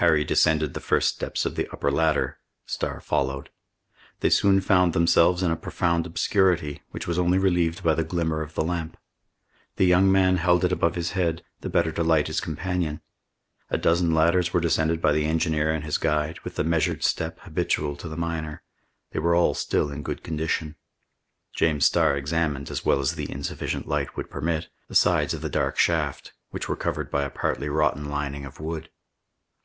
Harry descended the first steps of the upper ladder. Starr followed. They soon found themselves in a profound obscurity, which was only relieved by the glimmer of the lamp. The young man held it above his head, the better to light his companion. A dozen ladders were descended by the engineer and his guide, with the measured step habitual to the miner. They were all still in good condition. James Starr examined, as well as the insufficient light would permit, the sides of the dark shaft, which were covered by a partly rotten lining of wood.